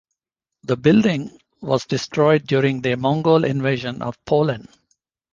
The building was destroyed during the Mongol invasion of Poland.